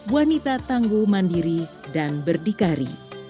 wanita tangguh mandiri dan berdikari